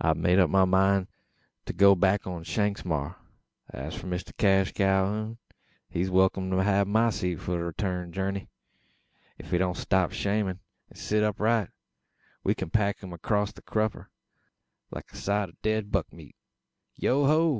I've made up my mind to go back on Shanks's maar, an as for Mister Cash Calhoun, he's welkim to hev my seat for the reeturn jerney. Ef he don't stop shammin an sit upright, we kin pack him acrost the crupper, like a side o' dead buck meat. Yo ho!